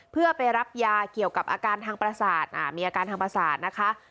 เพื่อไปรับยาเกี่ยวกับอาการทางประสาทมีอาการทางประสาทนะคะ